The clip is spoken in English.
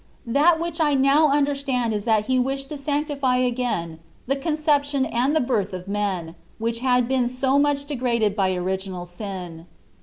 That which I now understand is that He wished to sanctify again the conception and the birth of men, which had been so much degraded by original sin.